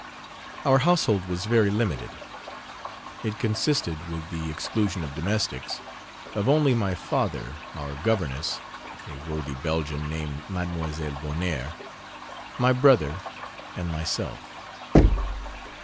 Our household was very limited. It consisted, with the exclusion of domestics, of only my father, our governess a worthy Belgian named Mademoiselle Vonnaert my brother, and myself.